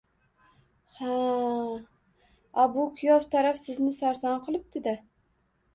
- Ha. A, bu kuyov taraf sizni sarson qilibdi-da.